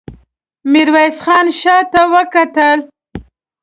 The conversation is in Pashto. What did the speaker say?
ميرويس خان شاته وکتل.